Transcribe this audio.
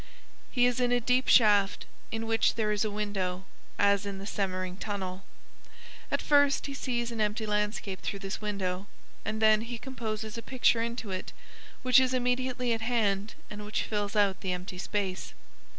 _"He is in a deep shaft, in which there is a window, as in the Semmering Tunnel. At first he sees an empty landscape through this window, and then he composes a picture into it, which is immediately at hand and which fills out the empty space.